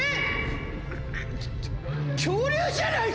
恐竜じゃない？